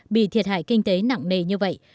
bị thiệt hại kinh tế nặng nề như vậy